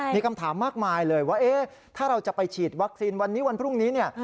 มีคำถามมากมายเลยว่าถ้าเราจะไปฉีดวัคซีนวันนี้วันพรุ่งนี้เนี่ย